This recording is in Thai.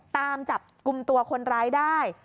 ตามจับกลุ่มตัวคนร้ายได้